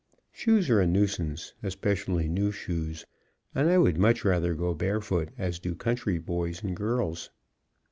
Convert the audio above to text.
Shoes are a nuisance, especially new shoes, and I would much rather go barefoot as do country boys and girls.